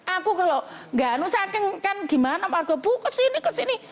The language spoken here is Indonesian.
aku kalau enggak usah gimana warga bu kesini kesini